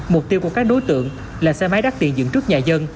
mục tiêu của các đối tượng là xe máy đắt tiền dựng trước nhà dân